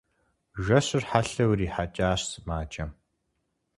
Жэщыр хьэлъэу ирихьэкӀащ сымаджэм.